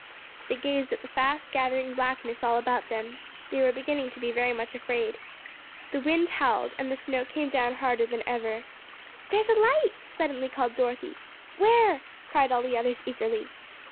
They gazed at the fast gathering blackness all about them. They were beginning to be very much afraid. The wind howled, and the snow came down harder than ever. "There's a light!" suddenly called Dorothy. "Where?" cried all the others eagerly.